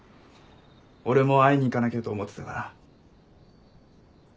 俺も会いに行かなきゃと思ってたから。